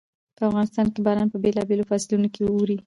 په افغانستان کې باران په بېلابېلو فصلونو کې اوري.